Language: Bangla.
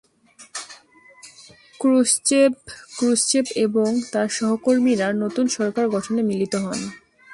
ক্রুশ্চেভ এবং তার সহকর্মীরা নতুন সরকার গঠনে মিলিত হন।